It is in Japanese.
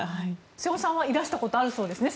瀬尾さんはいらしたことあるそうですね。